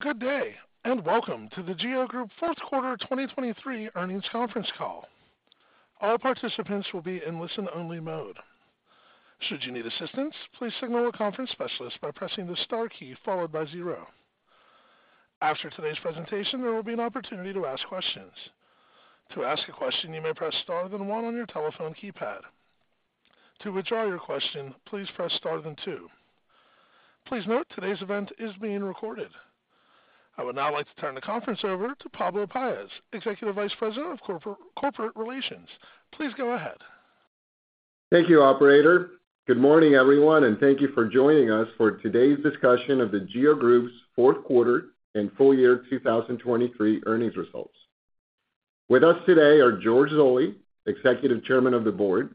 Good day, and welcome to the GEO Group fourth quarter 2023 earnings conference call. All participants will be in listen-only mode. Should you need assistance, please signal a conference specialist by pressing the star key followed by zero. After today's presentation, there will be an opportunity to ask questions. To ask a question, you may press star, then one on your telephone keypad. To withdraw your question, please press star, then two. Please note, today's event is being recorded. I would now like to turn the conference over to Pablo Paez, Executive Vice President of Corporate Relations. Please go ahead. Thank you, operator. Good morning, everyone, and thank you for joining us for today's discussion of the GEO Group's fourth quarter and full year 2023 earnings results. With us today are George Zoley, Executive Chairman of the Board,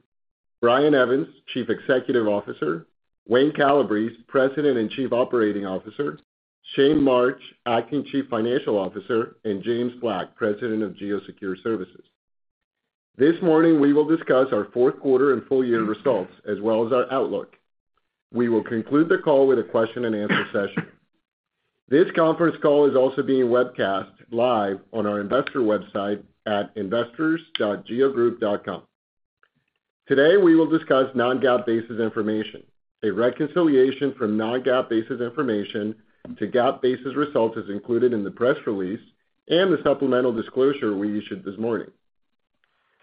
Brian Evans, Chief Executive Officer, Wayne Calabrese, President and Chief Operating Officer, Shayn March, Acting Chief Financial Officer, and James Black, President of GEO Secure Services. This morning, we will discuss our fourth quarter and full year results as well as our outlook. We will conclude the call with a question-and-answer session. This conference call is also being webcast live on our investor website at investors.geogroup.com. Today, we will discuss non-GAAP basis information. A reconciliation from non-GAAP basis information to GAAP basis results is included in the press release and the supplemental disclosure we issued this morning.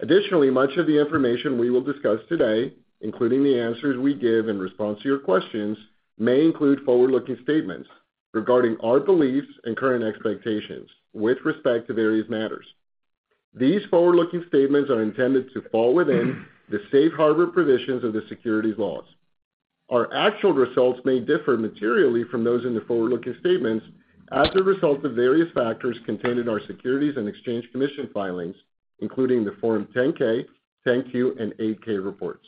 Additionally, much of the information we will discuss today, including the answers we give in response to your questions, may include forward-looking statements regarding our beliefs and current expectations with respect to various matters. These forward-looking statements are intended to fall within the safe harbor provisions of the securities laws. Our actual results may differ materially from those in the forward-looking statements as a result of various factors contained in our Securities and Exchange Commission filings, including the Form 10-K, 10-Q, and 8-K reports.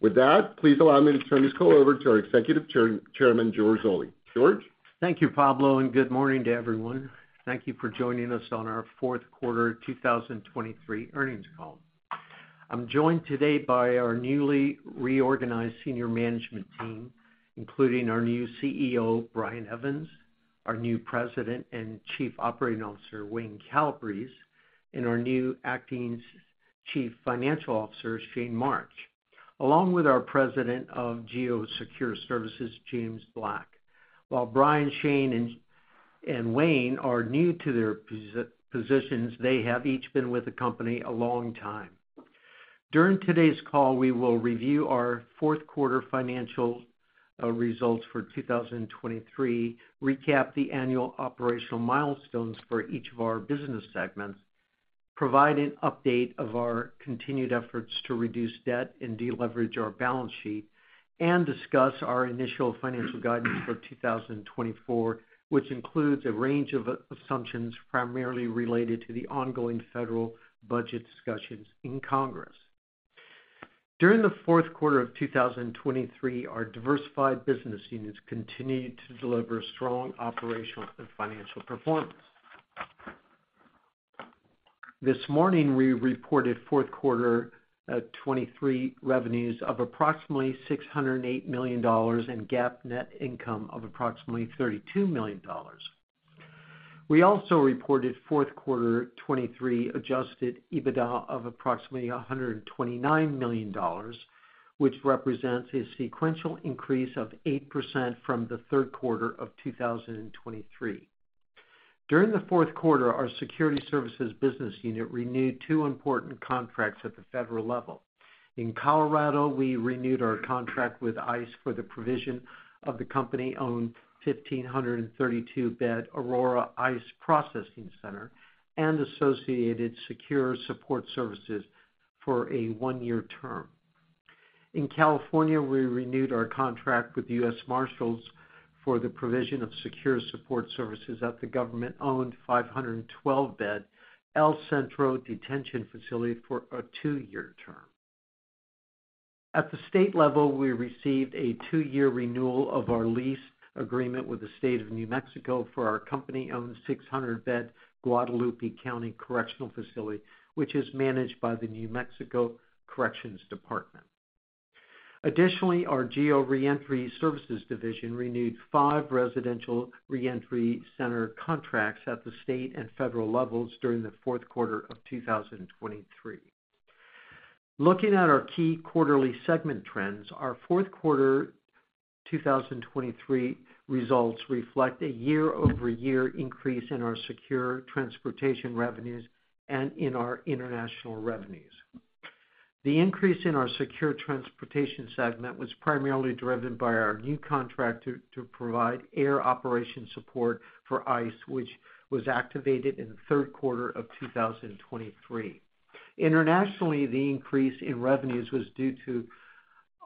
With that, please allow me to turn this call over to our Executive Chairman, George Zoley. George? Thank you, Pablo, and good morning to everyone. Thank you for joining us on our fourth quarter 2023 earnings call. I'm joined today by our newly reorganized senior management team, including our new CEO, Brian Evans, our new President and Chief Operating Officer, Wayne Calabrese, and our new Acting Chief Financial Officer, Shayn March, along with our President of GEO Secure Services, James Black. While Brian, Shayn, and Wayne are new to their positions, they have each been with the company a long time. During today's call, we will review our fourth quarter financial results for 2023, recap the annual operational milestones for each of our business segments, provide an update of our continued efforts to reduce debt and deleverage our balance sheet, and discuss our initial financial guidance for 2024, which includes a range of assumptions primarily related to the ongoing federal budget discussions in Congress. During the fourth quarter of 2023, our diversified business units continued to deliver strong operational and financial performance. This morning, we reported fourth quarter 2023 revenues of approximately $608 million and GAAP net income of approximately $32 million. We also reported fourth quarter 2023 Adjusted EBITDA of approximately $129 million, which represents a sequential increase of 8% from the third quarter of 2023. During the fourth quarter, our security services business unit renewed two important contracts at the federal level. In Colorado, we renewed our contract with ICE for the provision of the company-owned 1,532-bed Aurora ICE Processing Center and associated secure support services for a one-year term. In California, we renewed our contract with the U.S. Marshals for the provision of secure support services at the government-owned 512-bed El Centro Detention Facility for a two-year term. At the state level, we received a two-year renewal of our lease agreement with the State of New Mexico for our company-owned 600-bed Guadalupe County Correctional Facility, which is managed by the New Mexico Corrections Department. Additionally, our GEO Reentry Services division renewed five residential reentry center contracts at the state and federal levels during the fourth quarter of 2023. Looking at our key quarterly segment trends, our fourth quarter 2023 results reflect a year-over-year increase in our secure transportation revenues and in our international revenues. The increase in our secure transportation segment was primarily driven by our new contract to provide air operation support for ICE, which was activated in the third quarter of 2023. Internationally, the increase in revenues was due to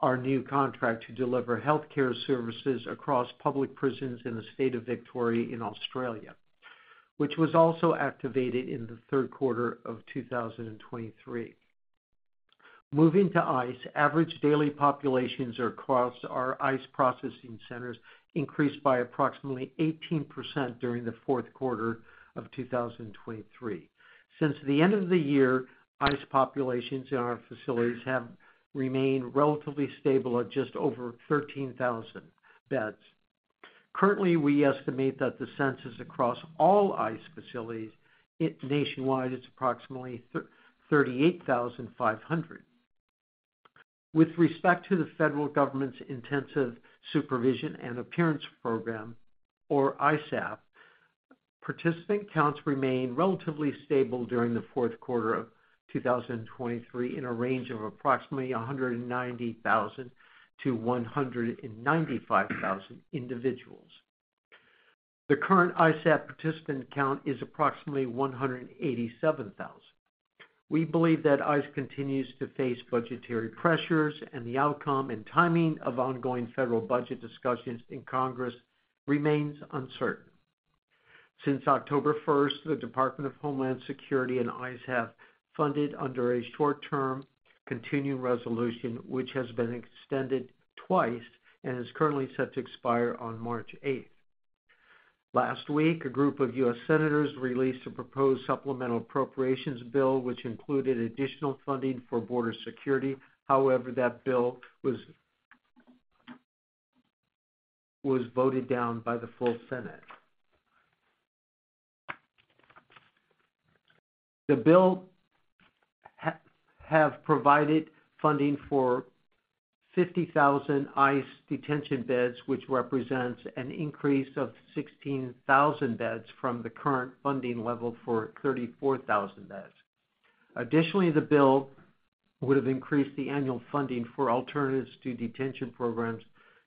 our new contract to deliver healthcare services across public prisons in the state of Victoria in Australia, which was also activated in the third quarter of 2023. Moving to ICE, average daily populations across our ICE processing centers increased by approximately 18% during the fourth quarter of 2023. Since the end of the year, ICE populations in our facilities have remained relatively stable at just over 13,000 beds. Currently, we estimate that the census across all ICE facilities nationwide is approximately 38,500. With respect to the federal government's Intensive Supervision and Appearance Program, or ISAP, participant counts remained relatively stable during the fourth quarter of 2023, in a range of approximately 190,000-195,000 individuals. The current ISAP participant count is approximately 187,000. We believe that ICE continues to face budgetary pressures, and the outcome and timing of ongoing federal budget discussions in Congress remains uncertain. Since October 1st, the Department of Homeland Security and ICE have funded under a short-term continuing resolution, which has been extended twice and is currently set to expire on March 8th. Last week, a group of U.S. senators released a proposed supplemental appropriations bill, which included additional funding for border security. However, that bill was voted down by the full Senate. The bill would have provided funding for 50,000 ICE detention beds, which represents an increase of 16,000 beds from the current funding level for 34,000 beds. Additionally, the bill would have increased the annual funding for alternatives to detention programs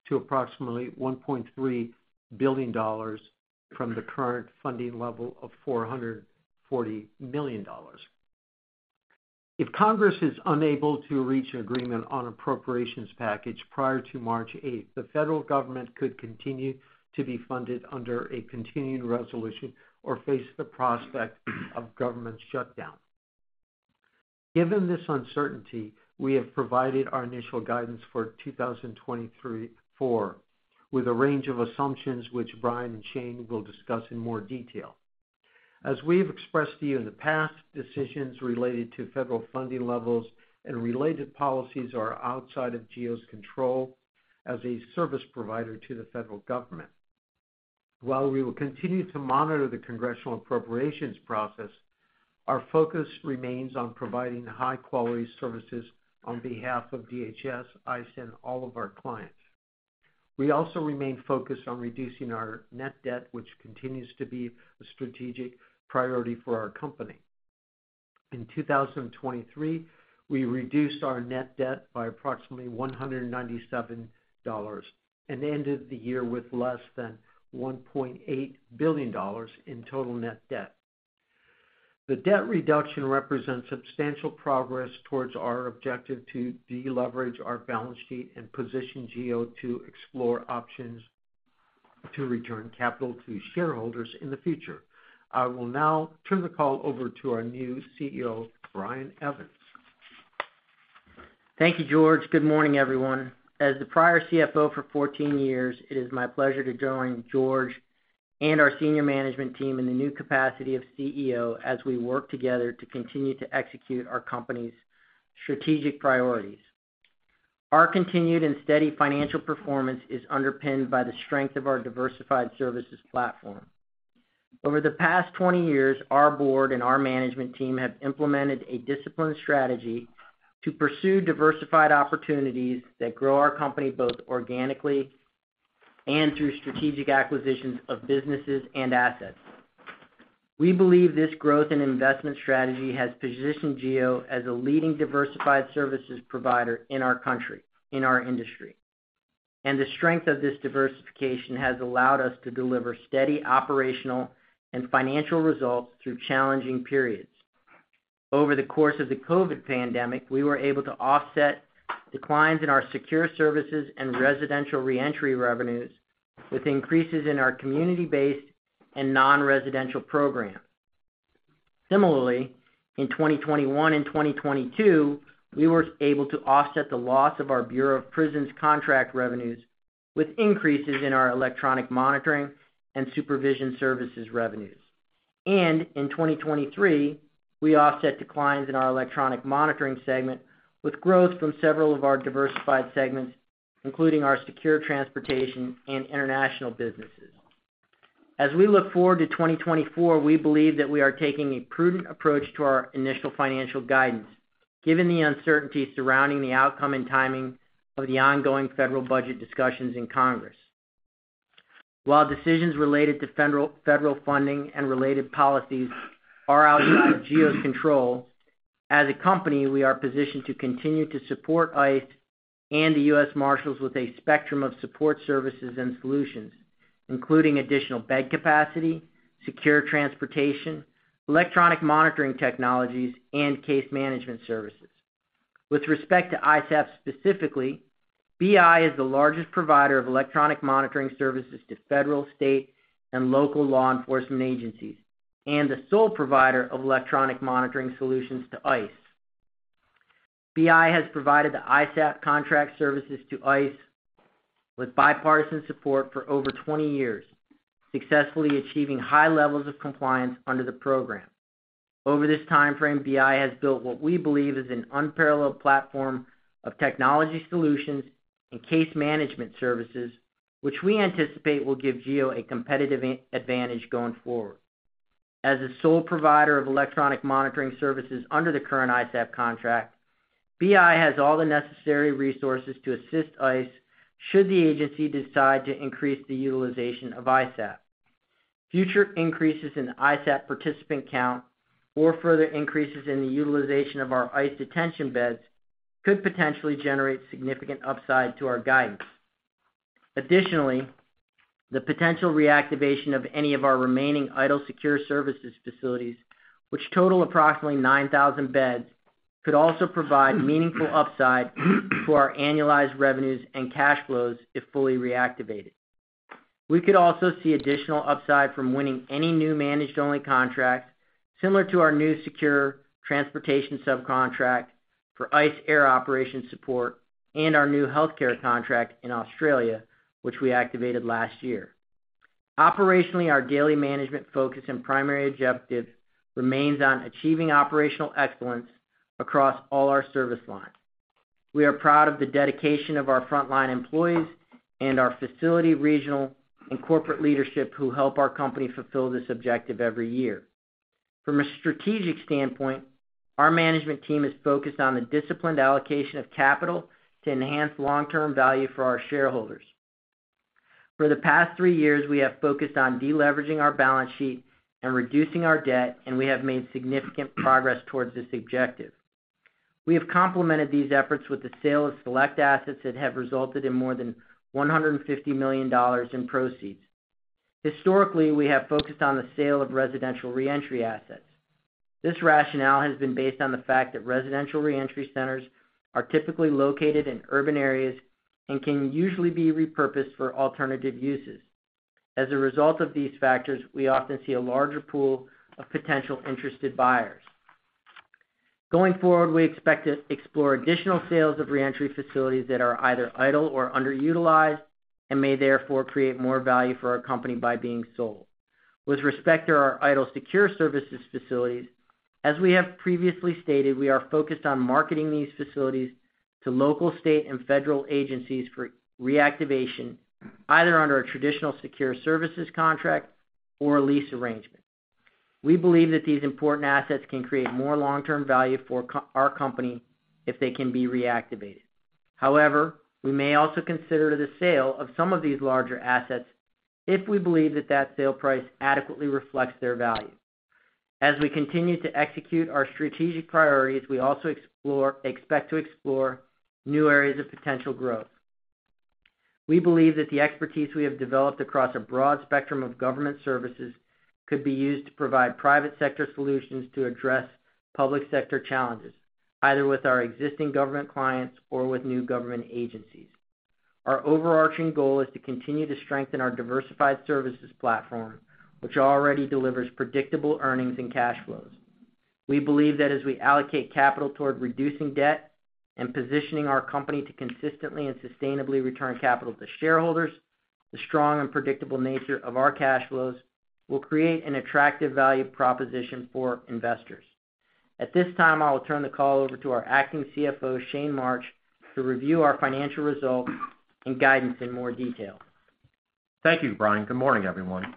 to approximately $1.3 billion, from the current funding level of $440 million. If Congress is unable to reach an agreement on appropriations package prior to March 8th, the federal government could continue to be funded under a continuing resolution or face the prospect of government shutdown. Given this uncertainty, we have provided our initial guidance for 2023-2024, with a range of assumptions, which Brian and Shayn will discuss in more detail. As we've expressed to you in the past, decisions related to federal funding levels and related policies are outside of GEO's control as a service provider to the federal government. While we will continue to monitor the Congressional appropriations process, our focus remains on providing high-quality services on behalf of DHS, ICE, and all of our clients. We also remain focused on reducing our net debt, which continues to be a strategic priority for our company. In 2023, we reduced our net debt by approximately $197 and ended the year with less than $1.8 billion in total net debt. The debt reduction represents substantial progress towards our objective to deleverage our balance sheet and position GEO to explore options to return capital to shareholders in the future. I will now turn the call over to our new CEO, Brian Evans. Thank you, George. Good morning, everyone. As the prior CFO for 14 years, it is my pleasure to join George and our senior management team in the new capacity of CEO as we work together to continue to execute our company's strategic priorities. Our continued and steady financial performance is underpinned by the strength of our diversified services platform. Over the past 20 years, our board and our management team have implemented a disciplined strategy to pursue diversified opportunities that grow our company, both organically and through strategic acquisitions of businesses and assets. We believe this growth and investment strategy has positioned GEO as a leading diversified services provider in our country, in our industry, and the strength of this diversification has allowed us to deliver steady operational and financial results through challenging periods. Over the course of the COVID pandemic, we were able to offset declines in our secure services and residential reentry revenues with increases in our community-based and non-residential programs. Similarly, in 2021 and 2022, we were able to offset the loss of our Bureau of Prisons contract revenues with increases in our electronic monitoring and supervision services revenues. In 2023, we offset declines in our electronic monitoring segment, with growth from several of our diversified segments, including our secure transportation and international businesses. As we look forward to 2024, we believe that we are taking a prudent approach to our initial financial guidance, given the uncertainty surrounding the outcome and timing of the ongoing federal budget discussions in Congress. While decisions related to federal funding and related policies are outside of GEO's control, as a company, we are positioned to continue to support ICE and the U.S. Marshals with a spectrum of support services and solutions, including additional bed capacity, secure transportation, electronic monitoring technologies, and case management services. With respect to ISAP, specifically, BI is the largest provider of electronic monitoring services to federal, state, and local law enforcement agencies, and the sole provider of electronic monitoring solutions to ICE. BI has provided the ISAP contract services to ICE with bipartisan support for over 20 years, successfully achieving high levels of compliance under the program. Over this timeframe, BI has built what we believe is an unparalleled platform of technology solutions and case management services, which we anticipate will give GEO a competitive advantage going forward. As the sole provider of electronic monitoring services under the current ISAP contract, BI has all the necessary resources to assist ICE, should the agency decide to increase the utilization of ISAP. Future increases in ISAP participant count or further increases in the utilization of our ICE detention beds could potentially generate significant upside to our guidance. Additionally, the potential reactivation of any of our remaining idle Secure Services facilities, which total approximately 9,000 beds, could also provide meaningful upside to our annualized revenues and cash flows if fully reactivated. We could also see additional upside from winning any new Managed-Only Contract, similar to our new secure transportation subcontract for ICE Air Operations support and our new healthcare contract in Australia, which we activated last year. Operationally, our daily management focus and primary objective remains on achieving operational excellence across all our service lines. We are proud of the dedication of our frontline employees and our facility, regional, and corporate leadership, who help our company fulfill this objective every year. From a strategic standpoint, our management team is focused on the disciplined allocation of capital to enhance long-term value for our shareholders. For the past three years, we have focused on deleveraging our balance sheet and reducing our debt, and we have made significant progress towards this objective. We have complemented these efforts with the sale of select assets that have resulted in more than $150 million in proceeds. Historically, we have focused on the sale of residential reentry assets. This rationale has been based on the fact that residential reentry centers are typically located in urban areas and can usually be repurposed for alternative uses. As a result of these factors, we often see a larger pool of potential interested buyers. Going forward, we expect to explore additional sales of reentry facilities that are either idle or underutilized and may therefore create more value for our company by being sold. With respect to our idle secure services facilities, as we have previously stated, we are focused on marketing these facilities to local, state, and federal agencies for reactivation, either under a traditional secure services contract or a lease arrangement. We believe that these important assets can create more long-term value for our company if they can be reactivated. However, we may also consider the sale of some of these larger assets if we believe that sale price adequately reflects their value. As we continue to execute our strategic priorities, we also expect to explore new areas of potential growth. We believe that the expertise we have developed across a broad spectrum of government services could be used to provide private sector solutions to address public sector challenges, either with our existing government clients or with new government agencies. Our overarching goal is to continue to strengthen our diversified services platform, which already delivers predictable earnings and cash flows. We believe that as we allocate capital toward reducing debt and positioning our company to consistently and sustainably return capital to shareholders, the strong and predictable nature of our cash flows will create an attractive value proposition for investors. At this time, I will turn the call over to our Acting CFO, Shayn March, to review our financial results and guidance in more detail. Thank you, Brian. Good morning, everyone.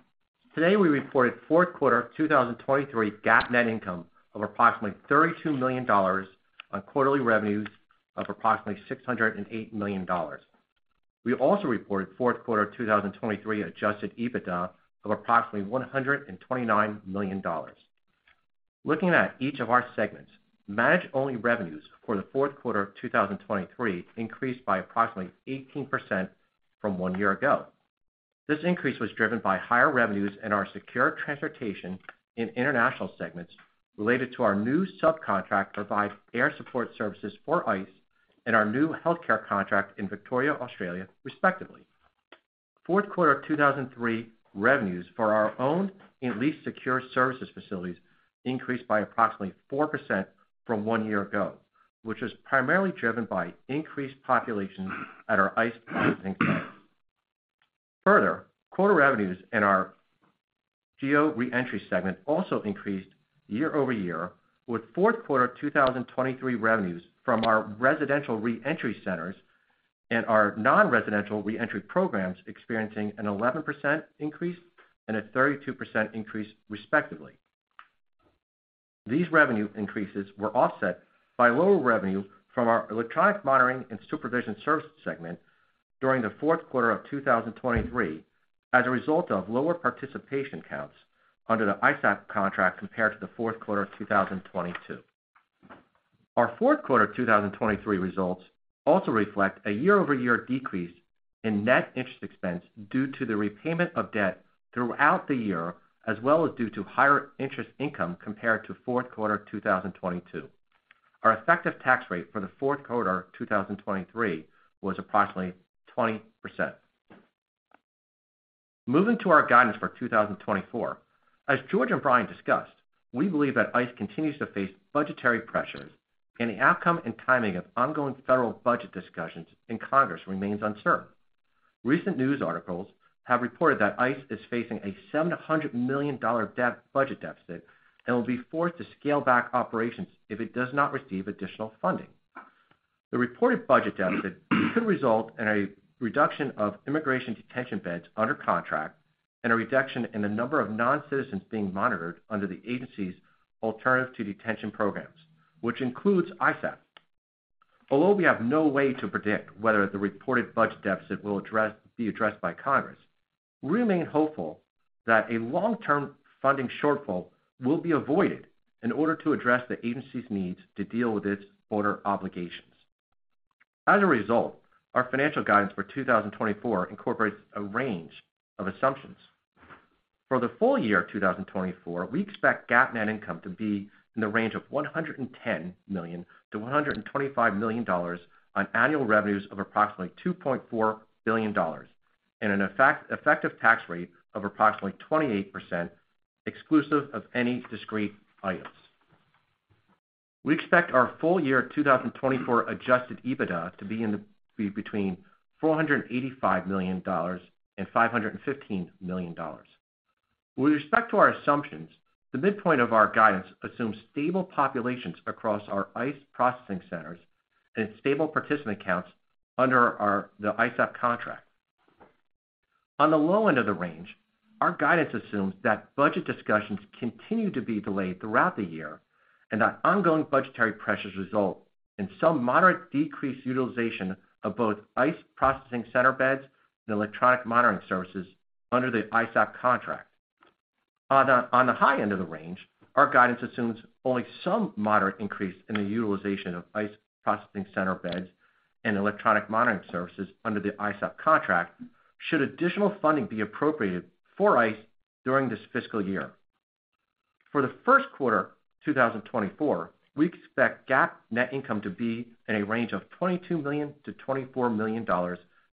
Today, we reported fourth quarter of 2023 GAAP net income of approximately $32 million on quarterly revenues of approximately $608 million. We also reported fourth quarter 2023 adjusted EBITDA of approximately $129 million. Looking at each of our segments, managed-only revenues for the fourth quarter of 2023 increased by approximately 18% from one year ago. This increase was driven by higher revenues in our secure transportation and international segments related to our new subcontract to provide air support services for ICE and our new healthcare contract in Victoria, Australia, respectively. Fourth quarter of 2023 revenues for our owned and leased secure services facilities increased by approximately 4% from one year ago, which was primarily driven by increased population at our ICE housing sites. Further, quarter revenues in our GEO Reentry segment also increased year-over-year, with fourth quarter 2023 revenues from our residential reentry centers and our non-residential reentry programs experiencing an 11% increase and a 32% increase, respectively. These revenue increases were offset by lower revenue from our electronic monitoring and supervision services segment during the fourth quarter of 2023, as a result of lower participation counts under the ISAP contract compared to the fourth quarter of 2022. Our fourth quarter 2023 results also reflect a year-over-year decrease in net interest expense due to the repayment of debt throughout the year, as well as due to higher interest income compared to fourth quarter 2022. Our effective tax rate for the fourth quarter 2023 was approximately 20%. Moving to our guidance for 2024. As George and Brian discussed, we believe that ICE continues to face budgetary pressures, and the outcome and timing of ongoing federal budget discussions in Congress remains uncertain. Recent news articles have reported that ICE is facing a $700 million debt-budget deficit and will be forced to scale back operations if it does not receive additional funding. The reported budget deficit could result in a reduction of immigration detention beds under contract and a reduction in the number of non-citizens being monitored under the agency's alternative to detention programs, which includes ISAP. Although we have no way to predict whether the reported budget deficit will be addressed by Congress, we remain hopeful that a long-term funding shortfall will be avoided in order to address the agency's needs to deal with its border obligations. As a result, our financial guidance for 2024 incorporates a range of assumptions. For the full year of 2024, we expect GAAP net income to be in the range of $110 million-$125 million on annual revenues of approximately $2.4 billion, and an effective tax rate of approximately 28%, exclusive of any discrete items. We expect our full year 2024 Adjusted EBITDA to be between $485 million and $515 million. With respect to our assumptions, the midpoint of our guidance assumes stable populations across our ICE processing centers and stable participant counts under the ISAP contract. On the low end of the range, our guidance assumes that budget discussions continue to be delayed throughout the year, and that ongoing budgetary pressures result in some moderate decreased utilization of both ICE processing center beds and electronic monitoring services under the ISAP contract. On the high end of the range, our guidance assumes only some moderate increase in the utilization of ICE processing center beds and electronic monitoring services under the ISAP contract, should additional funding be appropriated for ICE during this fiscal year. For the first quarter 2024, we expect GAAP net income to be in a range of $22 million-$24 million,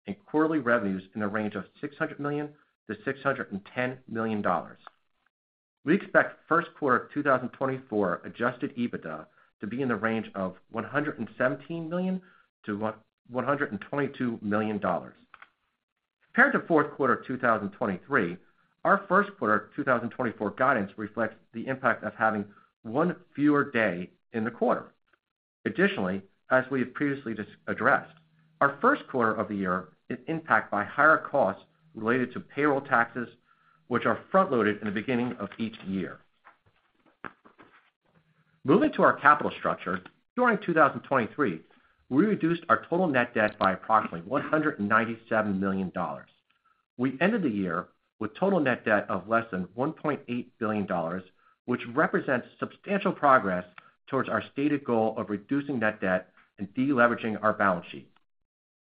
and quarterly revenues in the range of $600 million-$610 million. We expect first quarter 2024 adjusted EBITDA to be in the range of $117 million-$122 million. Compared to fourth quarter 2023, our first quarter 2024 guidance reflects the impact of having one fewer day in the quarter. Additionally, as we have previously just addressed, our first quarter of the year is impacted by higher costs related to payroll taxes, which are front-loaded in the beginning of each year. Moving to our capital structure, during 2023, we reduced our total net debt by approximately $197 million. We ended the year with total net debt of less than $1.8 billion, which represents substantial progress towards our stated goal of reducing net debt and de-leveraging our balance sheet.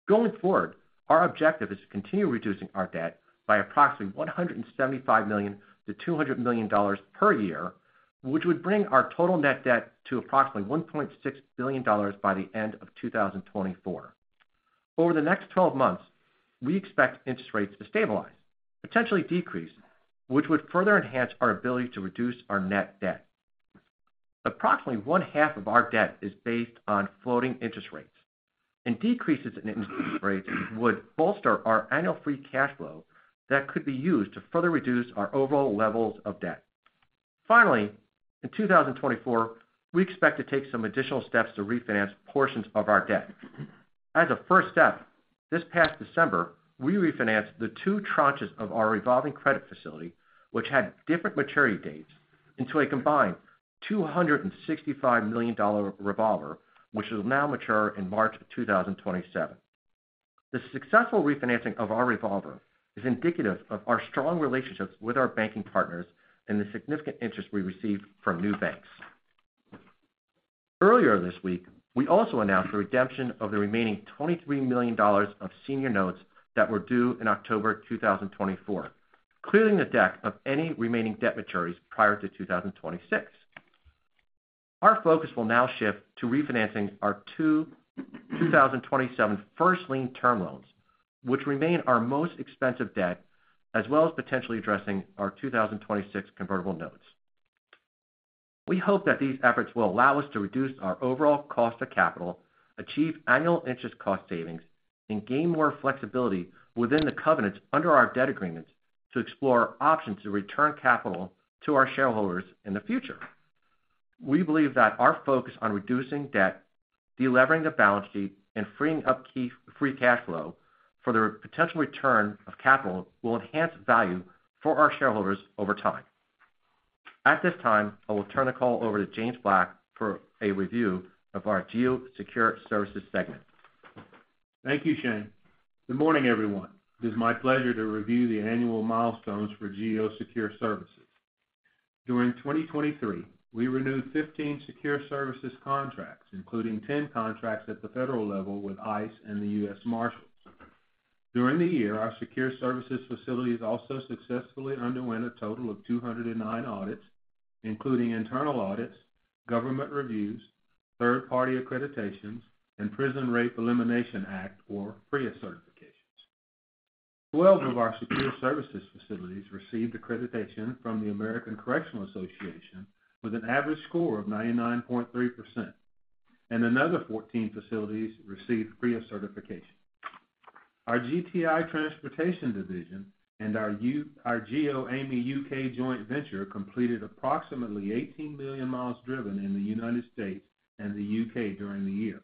Going forward, our objective is to continue reducing our debt by approximately $175 million-$200 million per year, which would bring our total net debt to approximately $1.6 billion by the end of 2024. Over the next 12 months, we expect interest rates to stabilize, potentially decrease, which would further enhance our ability to reduce our net debt. Approximately one half of our debt is based on floating interest rates, and decreases in interest rates would bolster our annual free cash flow that could be used to further reduce our overall levels of debt. Finally, in 2024, we expect to take some additional steps to refinance portions of our debt. As a first step, this past December, we refinanced the two tranches of our revolving credit facility, which had different maturity dates, into a combined $265 million revolver, which will now mature in March 2027. The successful refinancing of our revolver is indicative of our strong relationships with our banking partners and the significant interest we received from new banks. Earlier this week, we also announced the redemption of the remaining $23 million of senior notes that were due in October 2024, clearing the deck of any remaining debt maturities prior to 2026. Our focus will now shift to refinancing our 2027 first lien term loans, which remain our most expensive debt, as well as potentially addressing our 2026 convertible notes. We hope that these efforts will allow us to reduce our overall cost of capital, achieve annual interest cost savings, and gain more flexibility within the covenants under our debt agreements to explore options to return capital to our shareholders in the future. We believe that our focus on reducing debt, delevering the balance sheet, and freeing up free cash flow for the potential return of capital will enhance value for our shareholders over time. At this time, I will turn the call over to James Black for a review of our GEO Secure Services segment. Thank you, Shayn. Good morning, everyone. It is my pleasure to review the annual milestones for GEO Secure Services. During 2023, we renewed 15 secure services contracts, including 10 contracts at the federal level with ICE and the U.S. Marshals. During the year, our secure services facilities also successfully underwent a total of 209 audits, including internal audits, government reviews, third-party accreditations, and Prison Rape Elimination Act, or PREA certifications. Twelve of our secure services facilities received accreditation from the American Correctional Association with an average score of 99.3%... and another 14 facilities received PREA certification. Our GTI Transportation division and our GEOAmey U.K. joint venture completed approximately 18 million miles driven in the United States and the U.K. during the year.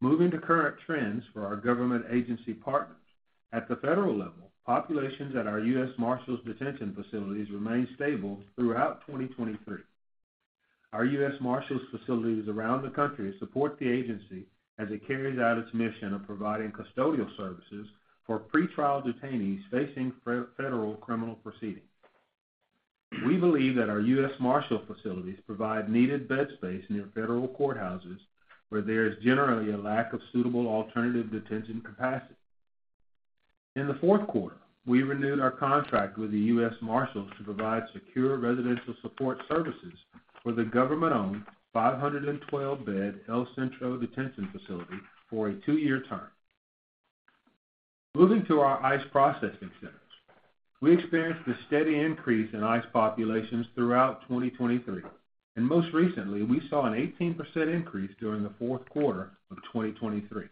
Moving to current trends for our government agency partners. At the federal level, populations at our U.S. Marshals detention facilities remained stable throughout 2023. Our U.S. Marshals facilities around the country support the agency as it carries out its mission of providing custodial services for pretrial detainees facing federal criminal proceedings. We believe that our U.S. Marshals facilities provide needed bed space near federal courthouses, where there is generally a lack of suitable alternative detention capacity. In the fourth quarter, we renewed our contract with the U.S. Marshals to provide secure residential support services for the government-owned 512-bed El Centro Detention Facility for a two-year term. Moving to our ICE processing centers. We experienced a steady increase in ICE populations throughout 2023, and most recently, we saw an 18% increase during the fourth quarter of 2023.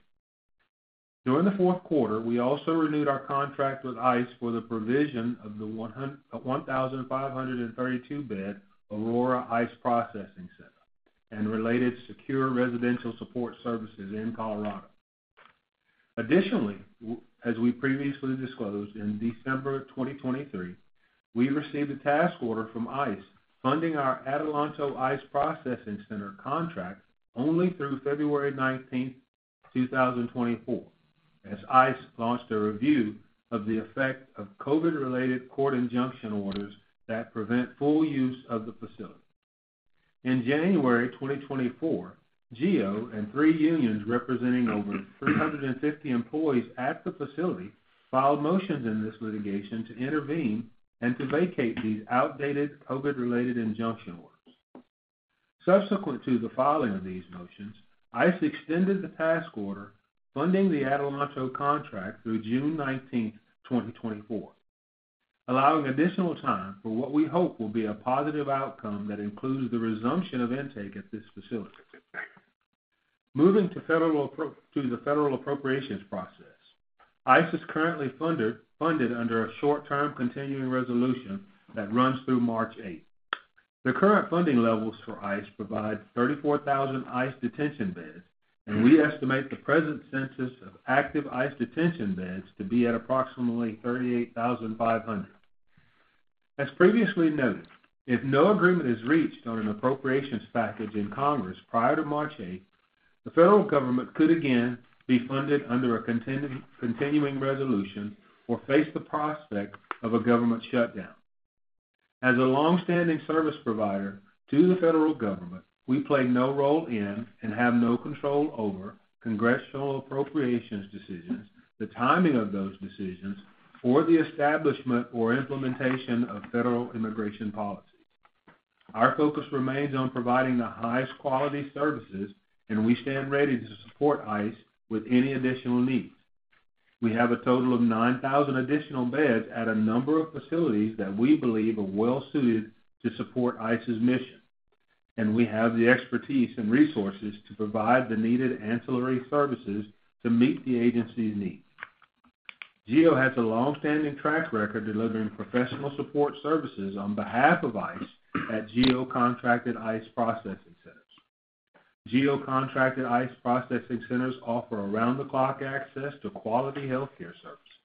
During the fourth quarter, we also renewed our contract with ICE for the provision of the 1,532-bed Aurora ICE Processing Center and related secure residential support services in Colorado. Additionally, as we previously disclosed, in December 2023, we received a task order from ICE, funding our Adelanto ICE Processing Center contract only through February 19, 2024, as ICE launched a review of the effect of COVID-related court injunction orders that prevent full use of the facility. In January 2024, GEO and three unions representing over 350 employees at the facility, filed motions in this litigation to intervene and to vacate these outdated COVID-related injunction orders. Subsequent to the filing of these motions, ICE extended the task order, funding the Adelanto contract through June 19, 2024, allowing additional time for what we hope will be a positive outcome that includes the resumption of intake at this facility. Moving to the federal appropriations process. ICE is currently funded under a short-term continuing resolution that runs through March 8. The current funding levels for ICE provide 34,000 ICE detention beds, and we estimate the present census of active ICE detention beds to be at approximately 38,500. As previously noted, if no agreement is reached on an appropriations package in Congress prior to March 8, the federal government could again be funded under a continuing resolution or face the prospect of a government shutdown. As a long-standing service provider to the federal government, we play no role in, and have no control over Congressional appropriations decisions, the timing of those decisions, or the establishment or implementation of federal immigration policy. Our focus remains on providing the highest quality services, and we stand ready to support ICE with any additional needs. We have a total of 9,000 additional beds at a number of facilities that we believe are well suited to support ICE's mission, and we have the expertise and resources to provide the needed ancillary services to meet the agency's needs. GEO has a long-standing track record delivering professional support services on behalf of ICE at GEO-contracted ICE processing centers. GEO-contracted ICE processing centers offer around-the-clock access to quality healthcare services.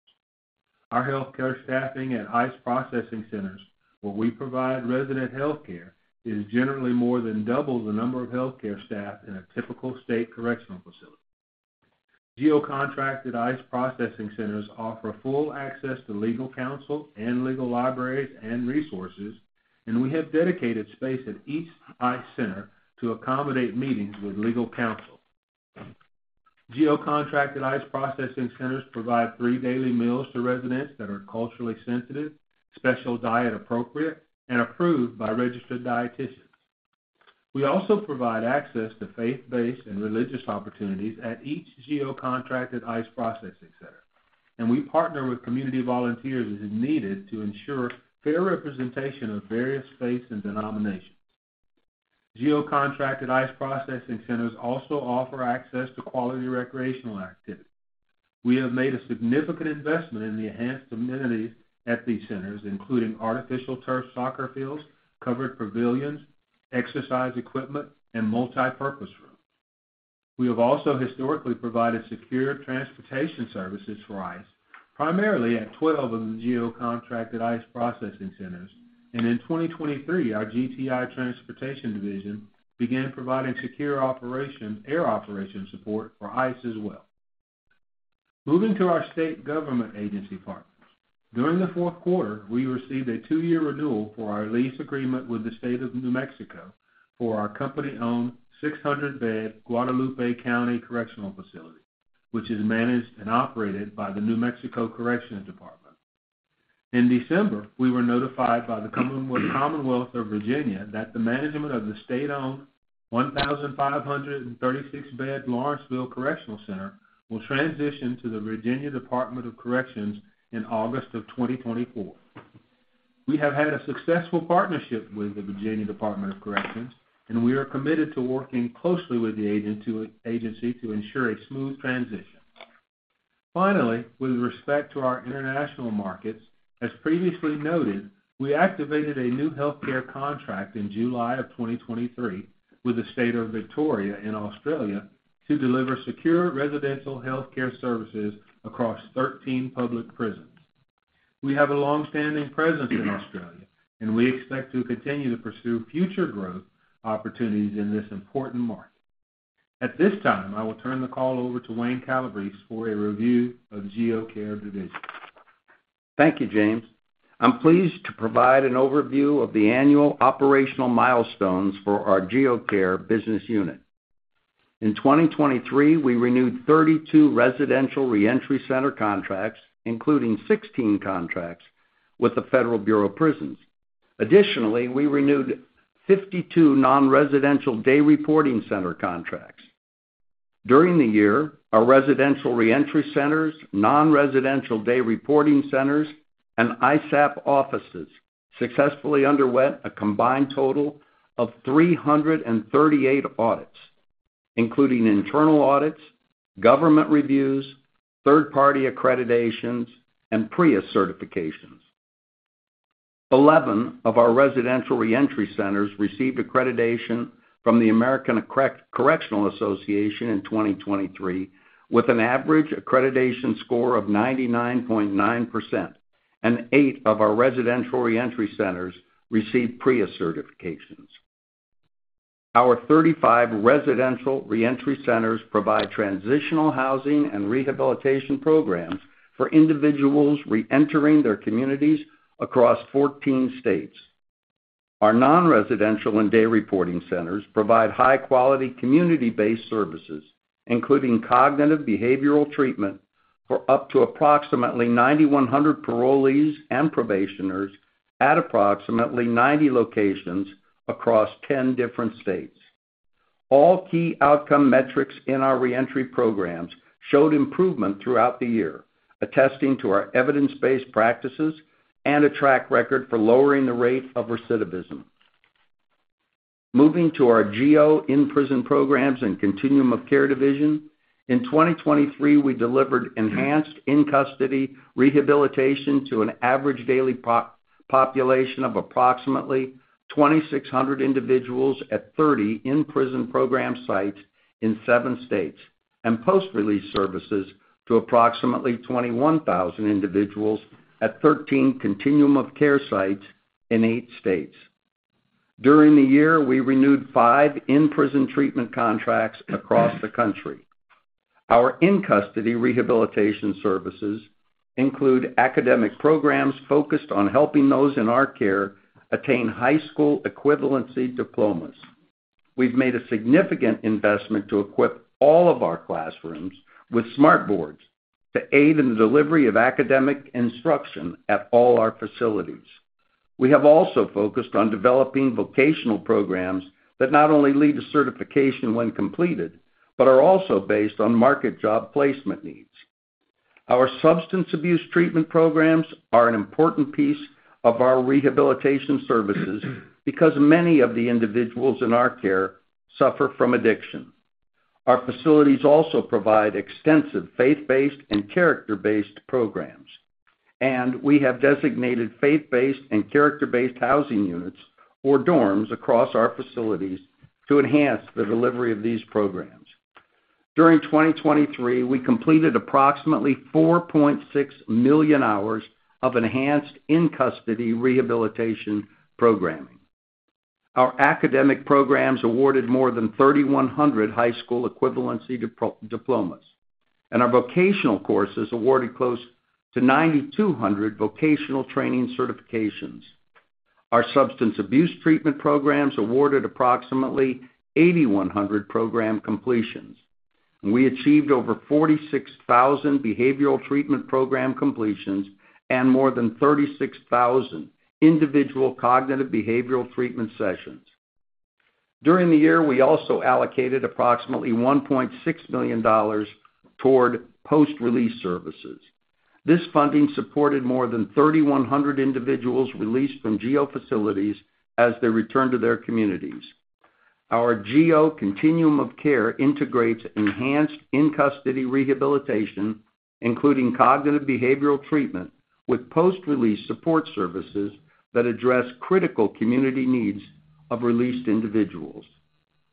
Our healthcare staffing at ICE processing centers, where we provide resident healthcare, is generally more than double the number of healthcare staff in a typical state correctional facility. GEO-contracted ICE processing centers offer full access to legal counsel and legal libraries and resources, and we have dedicated space at each ICE center to accommodate meetings with legal counsel. GEO-contracted ICE processing centers provide three daily meals to residents that are culturally sensitive, special diet-appropriate, and approved by registered dietitians. We also provide access to faith-based and religious opportunities at each GEO-contracted ICE processing center, and we partner with community volunteers as needed to ensure fair representation of various faiths and denominations. GEO-contracted ICE processing centers also offer access to quality recreational activities. We have made a significant investment in the enhanced amenities at these centers, including artificial turf soccer fields, covered pavilions, exercise equipment, and multipurpose rooms. We have also historically provided secure transportation services for ICE, primarily at 12 of the GEO-contracted ICE processing centers, and in 2023, our GTI Transportation division began providing secure operations, air operations support for ICE as well. Moving to our state government agency partners. During the fourth quarter, we received a two-year renewal for our lease agreement with the State of New Mexico for our company-owned 600-bed Guadalupe County Correctional Facility, which is managed and operated by the New Mexico Corrections Department. In December, we were notified by the Commonwealth, Commonwealth of Virginia that the management of the state-owned 1,536-bed Lawrenceville Correctional Center will transition to the Virginia Department of Corrections in August of 2024.... We have had a successful partnership with the Virginia Department of Corrections, and we are committed to working closely with the agency to ensure a smooth transition. Finally, with respect to our international markets, as previously noted, we activated a new healthcare contract in July of 2023 with the State of Victoria in Australia to deliver secure residential healthcare services across 13 public prisons. We have a long-standing presence in Australia, and we expect to continue to pursue future growth opportunities in this important market. At this time, I will turn the call over to Wayne Calabrese for a review of GEO Care Division. Thank you, James. I'm pleased to provide an overview of the annual operational milestones for our GEO Care business unit. In 2023, we renewed 32 residential reentry center contracts, including 16 contracts with the Federal Bureau of Prisons. Additionally, we renewed 52 nonresidential day reporting center contracts. During the year, our residential reentry centers, nonresidential day reporting centers, and ISAP offices successfully underwent a combined total of 338 audits, including internal audits, government reviews, third-party accreditations, and PREA certifications. 11 of our residential reentry centers received accreditation from the American Correctional Association in 2023, with an average accreditation score of 99.9%, and 8 of our residential reentry centers received PREA certifications. Our 35 residential reentry centers provide transitional housing and rehabilitation programs for individuals reentering their communities across 14 states. Our nonresidential and day reporting centers provide high-quality, community-based services, including cognitive behavioral treatment, for up to approximately 9,100 parolees and probationers at approximately 90 locations across 10 different states. All key outcome metrics in our reentry programs showed improvement throughout the year, attesting to our evidence-based practices and a track record for lowering the rate of recidivism. Moving to our GEO In-Prison Programs and Continuum of Care division, in 2023, we delivered enhanced in-custody rehabilitation to an average daily population of approximately 2,600 individuals at 30 in-prison program sites in 7 states, and post-release services to approximately 21,000 individuals at 13 continuum of care sites in 8 states. During the year, we renewed 5 in-prison treatment contracts across the country. Our in-custody rehabilitation services include academic programs focused on helping those in our care attain high school equivalency diplomas. We've made a significant investment to equip all of our classrooms with smart boards to aid in the delivery of academic instruction at all our facilities. We have also focused on developing vocational programs that not only lead to certification when completed, but are also based on market job placement needs. Our substance abuse treatment programs are an important piece of our rehabilitation services because many of the individuals in our care suffer from addiction. Our facilities also provide extensive faith-based and character-based programs, and we have designated faith-based and character-based housing units or dorms across our facilities to enhance the delivery of these programs. During 2023, we completed approximately 4.6 million hours of enhanced in-custody rehabilitation programming. Our academic programs awarded more than 3,100 high school equivalency diplomas, and our vocational courses awarded close to 9,200 vocational training certifications. Our substance abuse treatment programs awarded approximately 8,100 program completions. We achieved over 46,000 behavioral treatment program completions and more than 36,000 individual cognitive behavioral treatment sessions. During the year, we also allocated approximately $1.6 million toward post-release services. This funding supported more than 3,100 individuals released from GEO facilities as they returned to their communities. Our GEO Continuum of Care integrates enhanced in-custody rehabilitation, including cognitive behavioral treatment, with post-release support services that address critical community needs of released individuals.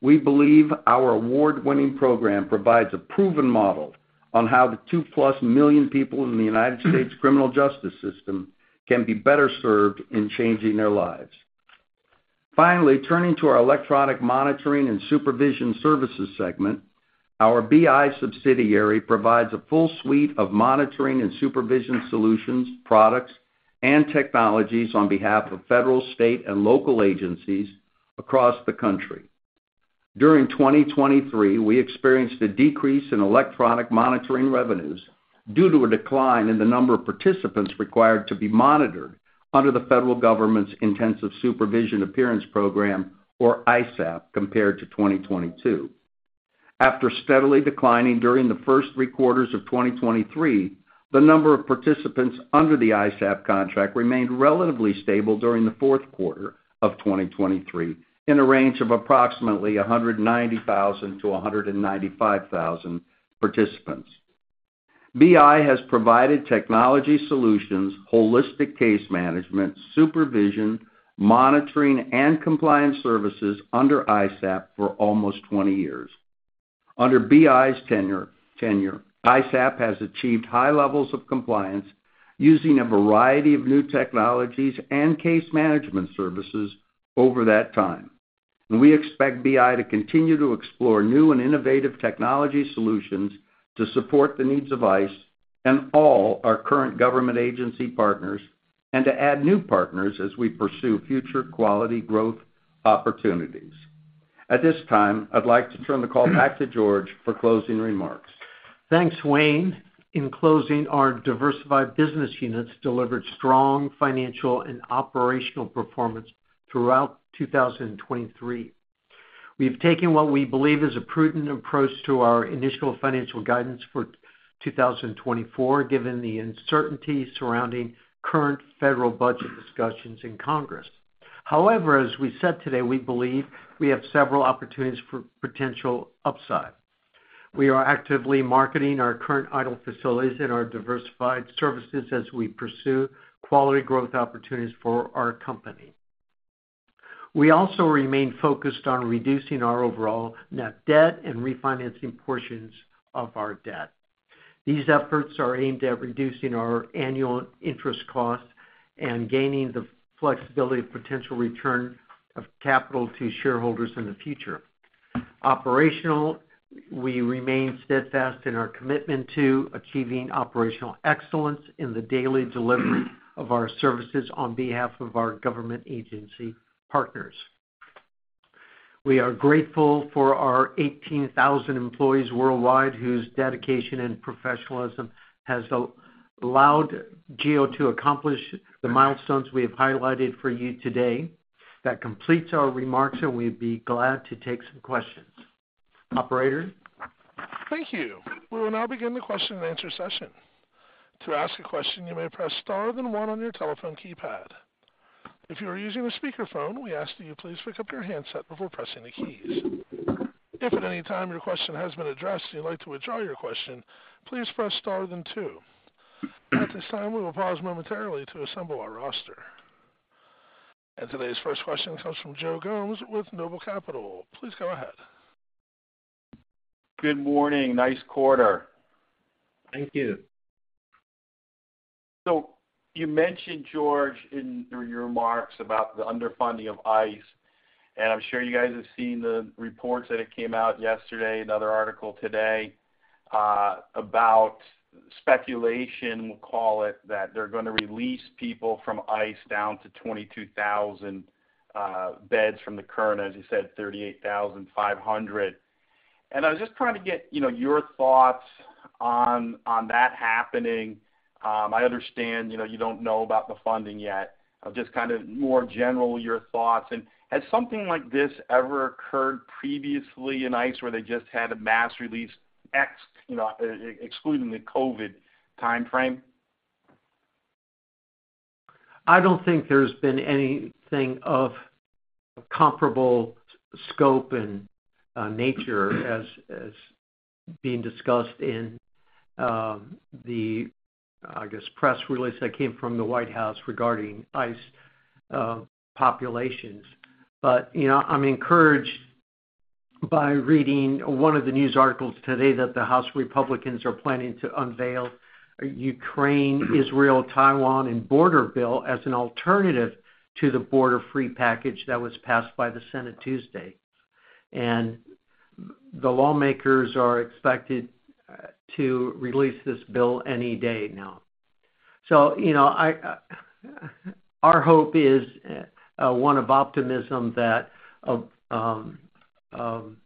We believe our award-winning program provides a proven model on how the 2+ million people in the United States criminal justice system can be better served in changing their lives. Finally, turning to our electronic monitoring and supervision services segment, our BI subsidiary provides a full suite of monitoring and supervision solutions, products, and technologies on behalf of federal, state, and local agencies across the country. During 2023, we experienced a decrease in electronic monitoring revenues due to a decline in the number of participants required to be monitored under the federal government's Intensive Supervision Appearance Program, or ISAP, compared to 2022. After steadily declining during the first three quarters of 2023, the number of participants under the ISAP contract remained relatively stable during the fourth quarter of 2023, in a range of approximately 190,000-195,000 participants. BI has provided technology solutions, holistic case management, supervision, monitoring, and compliance services under ISAP for almost 20 years. Under BI's tenure, ISAP has achieved high levels of compliance using a variety of new technologies and case management services over that time. We expect BI to continue to explore new and innovative technology solutions to support the needs of ICE and all our current government agency partners, and to add new partners as we pursue future quality growth opportunities. At this time, I'd like to turn the call back to George for closing remarks. Thanks, Wayne. In closing, our diversified business units delivered strong financial and operational performance throughout 2023. We've taken what we believe is a prudent approach to our initial financial guidance for 2024, given the uncertainty surrounding current federal budget discussions in Congress. However, as we said today, we believe we have several opportunities for potential upside. We are actively marketing our current idle facilities in our diversified services as we pursue quality growth opportunities for our company. We also remain focused on reducing our overall net debt and refinancing portions of our debt. These efforts are aimed at reducing our annual interest costs and gaining the flexibility of potential return of capital to shareholders in the future. Operationally, we remain steadfast in our commitment to achieving operational excellence in the daily delivery of our services on behalf of our government agency partners. We are grateful for our 18,000 employees worldwide, whose dedication and professionalism has allowed GEO to accomplish the milestones we have highlighted for you today. That completes our remarks, and we'd be glad to take some questions. Operator? Thank you. We will now begin the question-and-answer session. To ask a question, you may press star then one on your telephone keypad. If you are using a speakerphone, we ask that you please pick up your handset before pressing the keys. If at any time your question has been addressed, and you'd like to withdraw your question, please press star then two. At this time, we will pause momentarily to assemble our roster. Today's first question comes from Joe Gomes with Noble Capital. Please go ahead. Good morning. Nice quarter. Thank you. So you mentioned, George, in through your remarks about the underfunding of ICE, and I'm sure you guys have seen the reports that it came out yesterday, another article today, about speculation, we'll call it, that they're gonna release people from ICE down to 22,000 beds from the current, as you said, 38,500. And I was just trying to get, you know, your thoughts on, on that happening. I understand, you know, you don't know about the funding yet. Just kind of more general, your thoughts. And has something like this ever occurred previously in ICE, where they just had a mass release, you know, excluding the COVID timeframe? I don't think there's been anything of comparable scope and nature as being discussed in the, I guess, press release that came from the White House regarding ICE populations. But, you know, I'm encouraged by reading one of the news articles today, that the House Republicans are planning to unveil a Ukraine, Israel, Taiwan, and border bill as an alternative to the border-free package that was passed by the Senate Tuesday. And the lawmakers are expected to release this bill any day now. So you know, I, our hope is one of optimism that a funding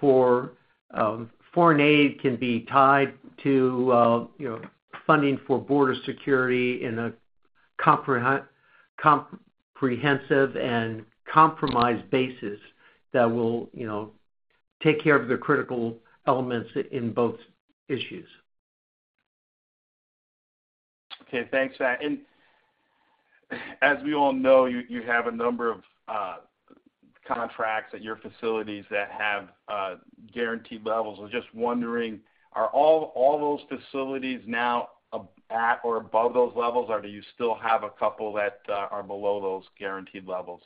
for foreign aid can be tied to, you know, funding for border security in a comprehensive and compromised basis that will, you know, take care of the critical elements in both issues. Okay, thanks for that. As we all know, you have a number of contracts at your facilities that have guaranteed levels. I'm just wondering, are all those facilities now at or above those levels, or do you still have a couple that are below those guaranteed levels?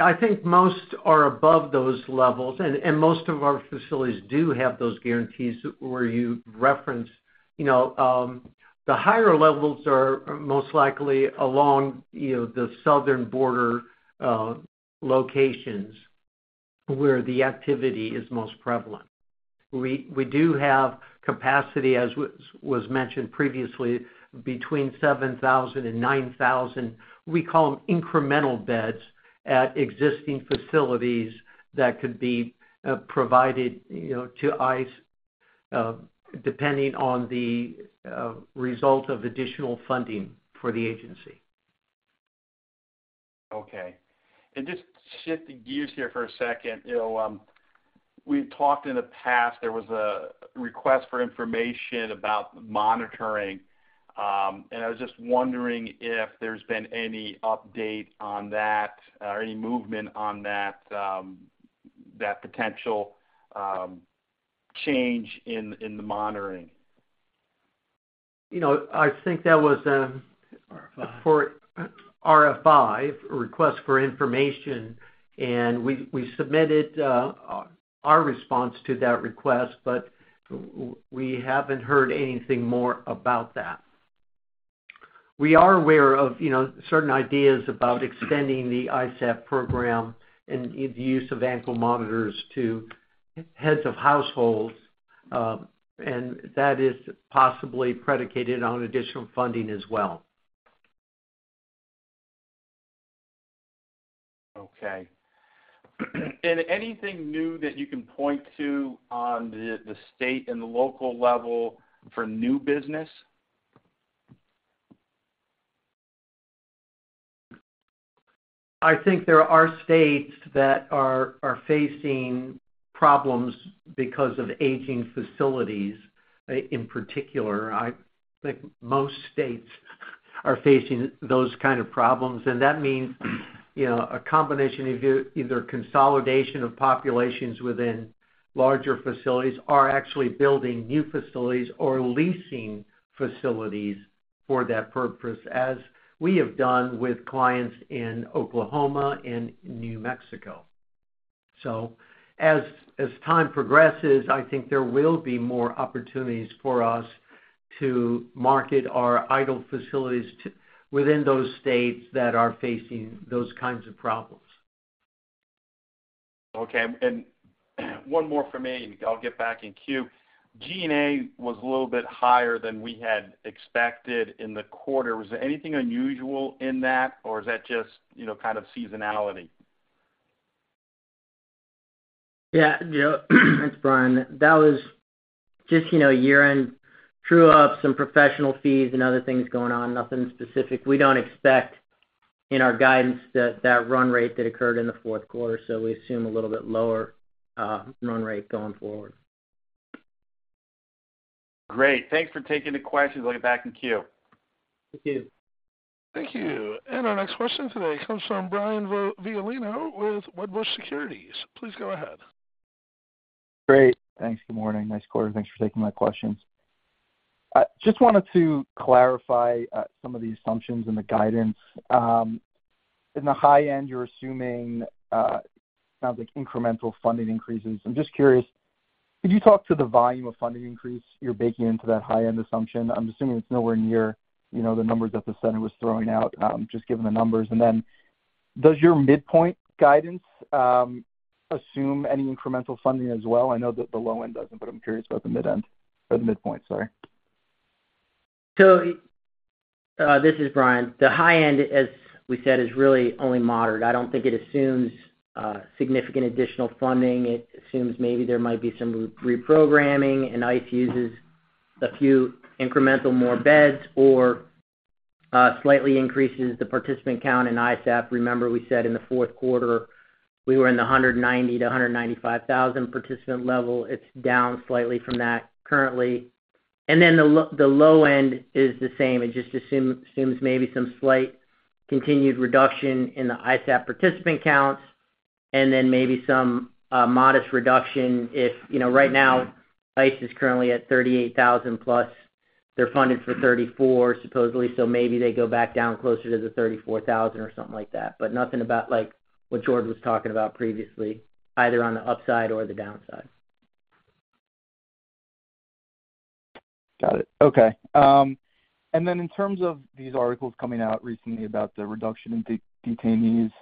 I think most are above those levels, and most of our facilities do have those guarantees where you referenced. You know, the higher levels are most likely along the southern border locations, where the activity is most prevalent. We do have capacity, as was mentioned previously, between 7,000 and 9,000, we call them incremental beds, at existing facilities that could be provided to ICE, depending on the result of additional funding for the agency. Okay, and just shift the gears here for a second. You know, we've talked in the past. There was a request for information about monitoring, and I was just wondering if there's been any update on that or any movement on that, that potential change in the monitoring? You know, I think that was for RFI, request for information, and we submitted our response to that request, but we haven't heard anything more about that. We are aware of, you know, certain ideas about extending the ISAP program and the use of ankle monitors to heads of households, and that is possibly predicated on additional funding as well. Okay. Anything new that you can point to on the state and the local level for new business? I think there are states that are facing problems because of aging facilities. In particular, I think most states are facing those kind of problems, and that means, you know, a combination of either consolidation of populations within larger facilities or actually building new facilities or leasing facilities for that purpose, as we have done with clients in Oklahoma and New Mexico. So as time progresses, I think there will be more opportunities for us to market our idle facilities to, within those states that are facing those kinds of problems. Okay, and, one more from me, and I'll get back in queue. G&A was a little bit higher than we had expected in the quarter. Was there anything unusual in that, or is that just, you know, kind of seasonality? Yeah, Joe, it's Brian. That was just, you know, year-end true-up some professional fees and other things going on. Nothing specific. We don't expect in our guidance that run rate that occurred in the fourth quarter, so we assume a little bit lower run rate going forward. Great. Thanks for taking the questions. I'll get back in queue. Thank you. Thank you. Our next question today comes from Brian Violino with Wedbush Securities. Please go ahead. Great. Thanks. Good morning. Nice quarter. Thanks for taking my questions. I just wanted to clarify some of the assumptions in the guidance. In the high end, you're assuming sounds like incremental funding increases. I'm just curious, could you talk to the volume of funding increase you're baking into that high-end assumption? I'm assuming it's nowhere near, you know, the numbers that the Senate was throwing out, just given the numbers. And then does your midpoint guidance assume any incremental funding as well? I know that the low end doesn't, but I'm curious about the mid-end or the midpoint, sorry? So, this is Brian. The high end, as we said, is really only moderate. I don't think it assumes significant additional funding. It assumes maybe there might be some reprogramming, and ICE uses a few incremental more beds or slightly increases the participant count in ISAP. Remember, we said in the fourth quarter, we were in the 190-195,000 participant level. It's down slightly from that currently. And then the low end is the same. It just assumes maybe some slight continued reduction in the ISAP participant counts, and then maybe some modest reduction if, you know, right now, ICE is currently at 38,000+. They're funded for 34,000, supposedly, so maybe they go back down closer to the 34,000 or something like that. But nothing about like what George was talking about previously, either on the upside or the downside. Got it. Okay. And then in terms of these articles coming out recently about the reduction in detainees,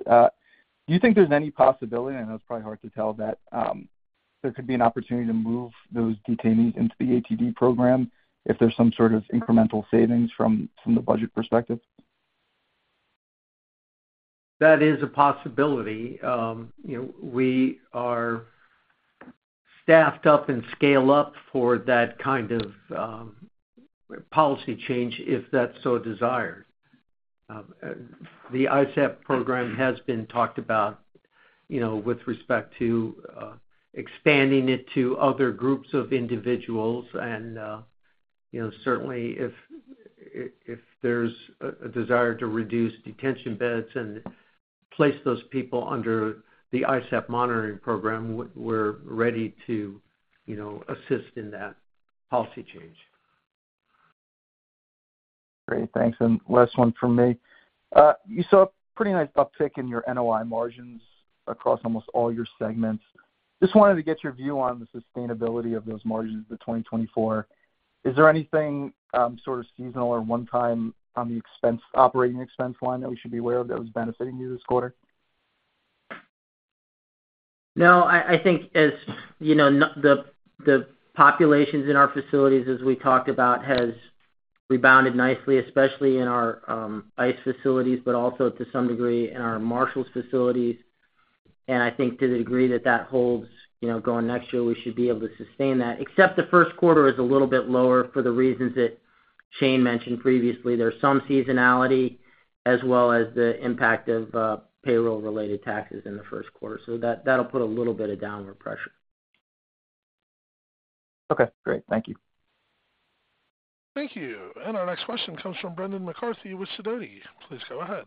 do you think there's any possibility, and I know it's probably hard to tell, that there could be an opportunity to move those detainees into the ATD program if there's some sort of incremental savings from the budget perspective? That is a possibility. You know, we are staffed up and scale up for that kind of policy change, if that's so desired. The ISAP program has been talked about, you know, with respect to expanding it to other groups of individuals, and you know, certainly if there's a desire to reduce detention beds and place those people under the ISAP monitoring program, we're ready to you know, assist in that policy change. Great. Thanks, and last one from me. You saw a pretty nice uptick in your NOI margins across almost all your segments. Just wanted to get your view on the sustainability of those margins for 2024. Is there anything, sort of seasonal or one time on the expense, operating expense line that we should be aware of that was benefiting you this quarter? No, I think as, you know, the populations in our facilities, as we talked about, has rebounded nicely, especially in our ICE facilities, but also to some degree in our Marshals facilities... and I think to the degree that that holds, you know, going next year, we should be able to sustain that, except the first quarter is a little bit lower for the reasons that Shayn mentioned previously. There's some seasonality as well as the impact of payroll-related taxes in the first quarter. So that, that'll put a little bit of downward pressure. Okay, great. Thank you. Thank you. And our next question comes from Brendan McCarthy with Sidoti. Please go ahead.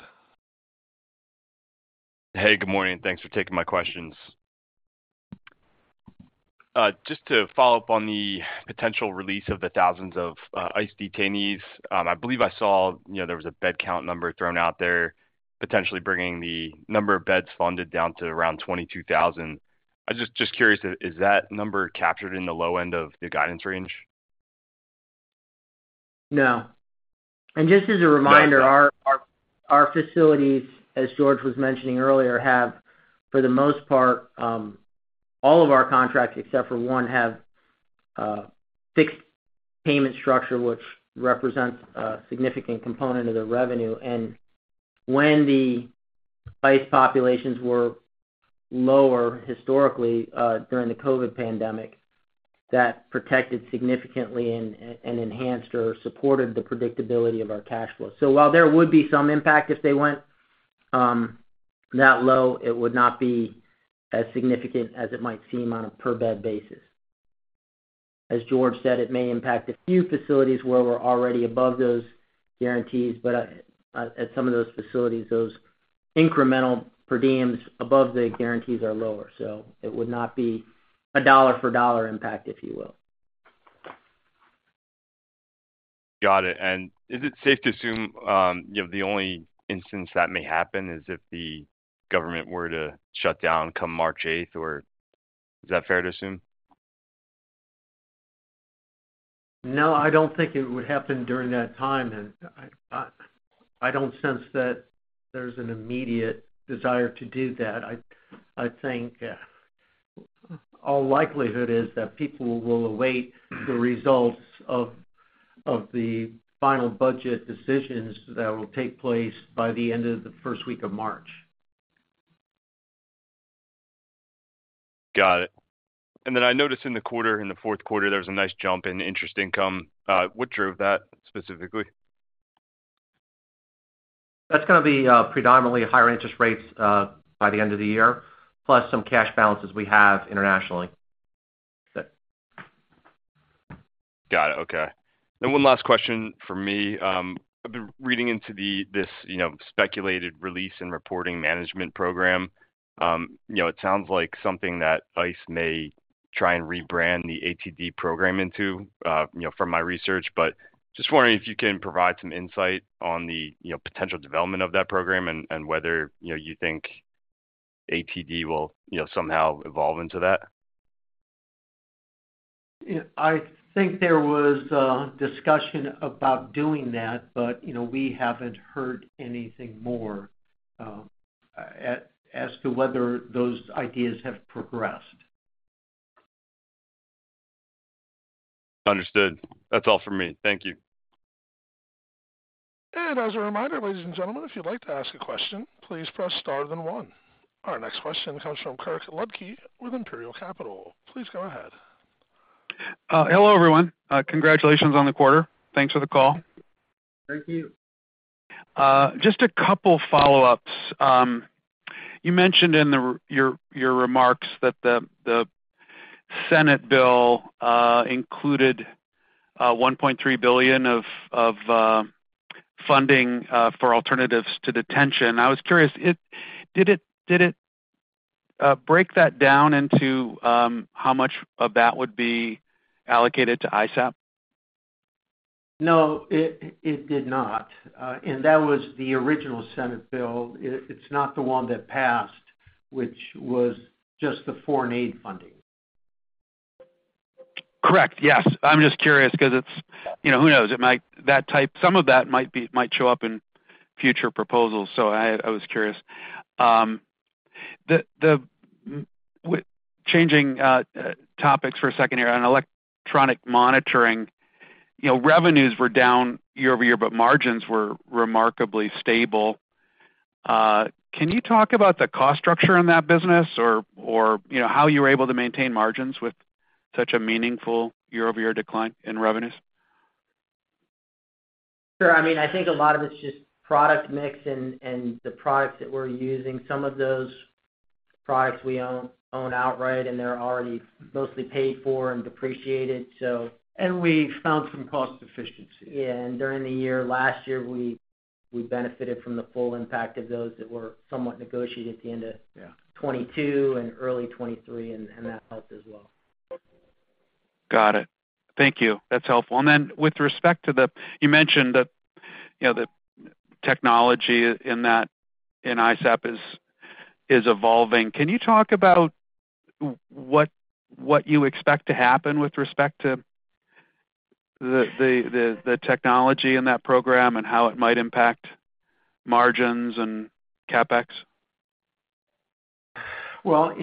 Hey, good morning. Thanks for taking my questions. Just to follow up on the potential release of the thousands of ICE detainees, I believe I saw, you know, there was a bed count number thrown out there, potentially bringing the number of beds funded down to around 22,000. I was just curious, is that number captured in the low end of the guidance range? No. And just as a reminder- Got it. Our facilities, as George was mentioning earlier, have, for the most part, all of our contracts, except for one, have a fixed payment structure, which represents a significant component of the revenue. And when the ICE populations were lower historically, during the COVID pandemic, that protected significantly and enhanced or supported the predictability of our cash flow. So while there would be some impact if they went that low, it would not be as significant as it might seem on a per-bed basis. As George said, it may impact a few facilities where we're already above those guarantees, but at some of those facilities, those incremental per diems above the guarantees are lower, so it would not be a dollar-for-dollar impact, if you will. Got it. And is it safe to assume, you know, the only instance that may happen is if the government were to shut down come March 8th, or is that fair to assume? No, I don't think it would happen during that time, and I don't sense that there's an immediate desire to do that. I think all likelihood is that people will await the results of the final budget decisions that will take place by the end of the first week of March. Got it. And then I noticed in the quarter, in the fourth quarter, there was a nice jump in interest income. What drove that specifically? That's gonna be, predominantly higher interest rates, by the end of the year, plus some cash balances we have internationally. Got it. Okay. One last question from me. I've been reading into this, you know, speculated Release and Reporting Management program. You know, it sounds like something that ICE may try and rebrand the ATD program into, you know, from my research, but just wondering if you can provide some insight on the, you know, potential development of that program and whether, you know, you think ATD will, you know, somehow evolve into that? Yeah, I think there was a discussion about doing that, but, you know, we haven't heard anything more, as to whether those ideas have progressed. Understood. That's all for me. Thank you. As a reminder, ladies and gentlemen, if you'd like to ask a question, please press Star, then One. Our next question comes from Kirk Ludtke with Imperial Capital. Please go ahead. Hello, everyone. Congratulations on the quarter. Thanks for the call. Thank you. Just a couple follow-ups. You mentioned in your remarks that the Senate bill included $1.3 billion of funding for alternatives to detention. I was curious. Did it break that down into how much of that would be allocated to ISAP? No, it, it did not. That was the original Senate bill. It, it's not the one that passed, which was just the foreign aid funding. Correct. Yes. I'm just curious because it's, you know, who knows? It might, that type, some of that might be, might show up in future proposals, so I was curious. Changing topics for a second here. On electronic monitoring, you know, revenues were down year-over-year, but margins were remarkably stable. Can you talk about the cost structure in that business or, you know, how you were able to maintain margins with such a meaningful year-over-year decline in revenues? Sure. I mean, I think a lot of it's just product mix and the products that we're using. Some of those products we own outright, and they're already mostly paid for and depreciated, so- We found some cost efficiency. Yeah, and during the year, last year, we benefited from the full impact of those that were somewhat negotiated at the end of- Yeah 2022 and early 2023, and, and that helped as well. Got it. Thank you. That's helpful. And then with respect to the... You mentioned that, you know, the technology in that, in ISAP is evolving. Can you talk about what you expect to happen with respect to the technology in that program and how it might impact margins and CapEx? Well,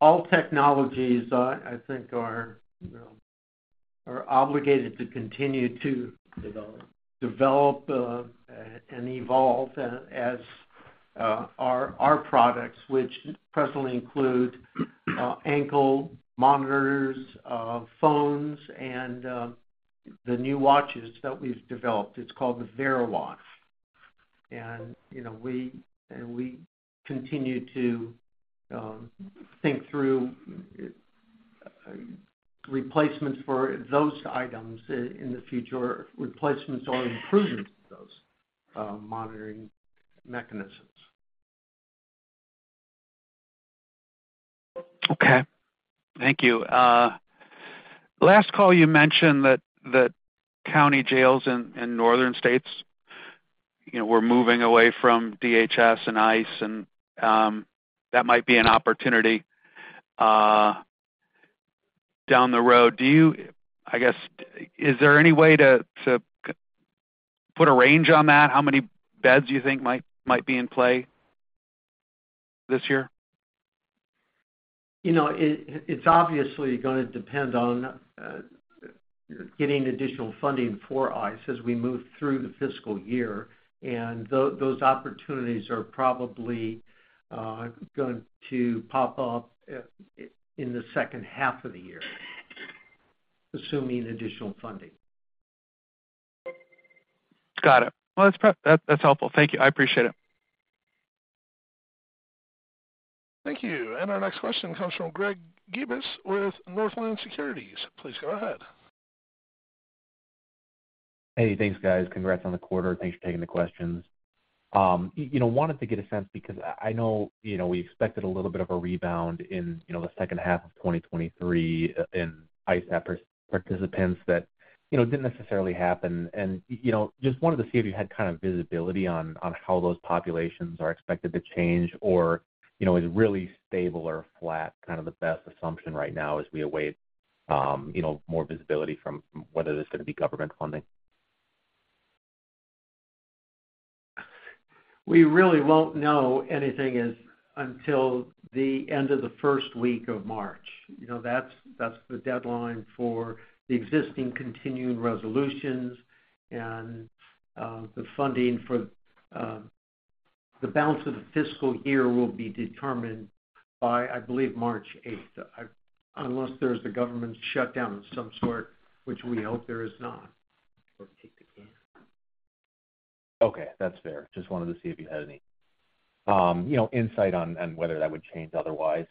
all technologies, I think are, you know, are obligated to continue to- Develop. develop and evolve as our products, which presently include ankle monitors, phones, and the new watches that we've developed. It's called the VeriWatch. And, you know, we continue to think through replacements for those items in the future, replacements or improvements to those monitoring mechanisms. Okay. Thank you. Last call you mentioned that county jails in northern states, you know, were moving away from DHS and ICE, and that might be an opportunity down the road. Do you, I guess, is there any way to put a range on that? How many beds do you think might be in play this year? You know, it's obviously gonna depend on getting additional funding for ICE as we move through the fiscal year, and those opportunities are probably going to pop up in the second half of the year, assuming additional funding. Got it. Well, that's helpful. Thank you. I appreciate it. Thank you. Our next question comes from Greg Gibas with Northland Securities. Please go ahead. Hey, thanks, guys. Congrats on the quarter. Thanks for taking the questions. You know, wanted to get a sense because I know, you know, we expected a little bit of a rebound in, you know, the second half of 2023 in ICE, ISAP participants that, you know, didn't necessarily happen. And, you know, just wanted to see if you had kind of visibility on, on how those populations are expected to change or, you know, is really stable or flat, kind of the best assumption right now as we await, you know, more visibility from whether there's gonna be government funding. We really won't know anything until the end of the first week of March. You know, that's, that's the deadline for the existing continuing resolutions and the funding for the balance of the fiscal year will be determined by, I believe, March 8th. Unless there's a government shutdown of some sort, which we hope there is not. Okay, that's fair. Just wanted to see if you had any, you know, insight on, on whether that would change otherwise.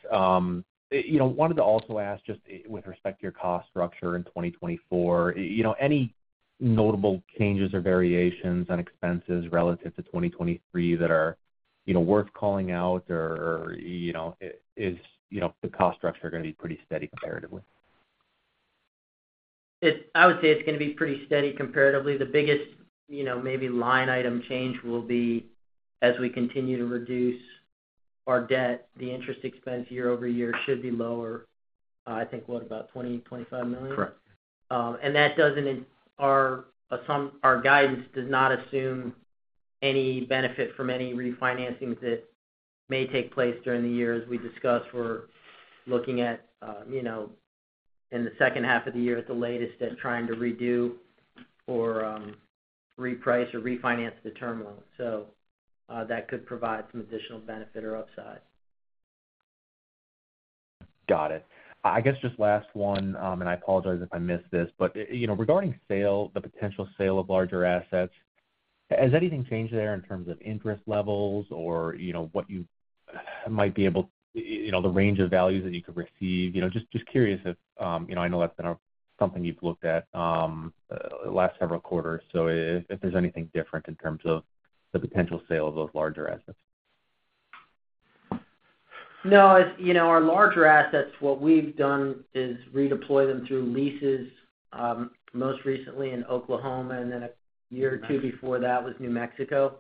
You know, wanted to also ask, just with respect to your cost structure in 2024, you know, any notable changes or variations on expenses relative to 2023 that are, you know, worth calling out or, or, you know, is, you know, the cost structure gonna be pretty steady comparatively? I would say it's gonna be pretty steady comparatively. The biggest, you know, maybe line item change will be as we continue to reduce our debt, the interest expense year-over-year should be lower, I think, what, about $20 million-$25 million? Correct. And that doesn't, our guidance does not assume any benefit from any refinancings that may take place during the year. As we discussed, we're looking at you know, in the second half of the year at the latest, at trying to redo or reprice or refinance the term loan. So, that could provide some additional benefit or upside. Got it. I guess just last one, and I apologize if I missed this, but, you know, regarding sale, the potential sale of larger assets, has anything changed there in terms of interest levels or, you know, what you might be able, you know, the range of values that you could receive? You know, just, just curious if, you know, I know that's been something you've looked at, last several quarters. So if, if there's anything different in terms of the potential sale of those larger assets. No, as you know, our larger assets, what we've done is redeploy them through leases, most recently in Oklahoma, and then a year or two before that was New Mexico.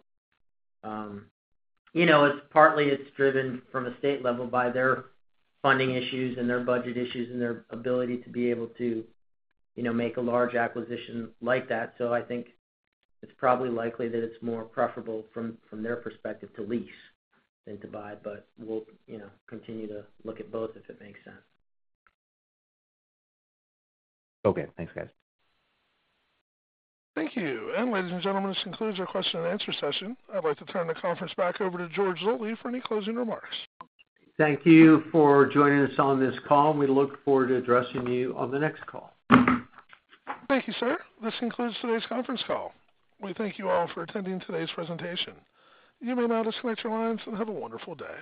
You know, it's partly it's driven from a state level by their funding issues and their budget issues and their ability to be able to, you know, make a large acquisition like that. So I think it's probably likely that it's more preferable from, from their perspective, to lease than to buy. But we'll, you know, continue to look at both if it makes sense. Okay. Thanks, guys. Thank you. And ladies and gentlemen, this concludes our question and answer session. I'd like to turn the conference back over to George Zoley for any closing remarks. Thank you for joining us on this call. We look forward to addressing you on the next call. Thank you, sir. This concludes today's conference call. We thank you all for attending today's presentation. You may now disconnect your lines, and have a wonderful day.